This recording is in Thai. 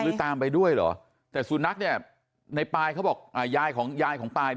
ตามไปด้วยเหรอแต่สุนัขเนี่ยในปายเขาบอกยายของยายของปาย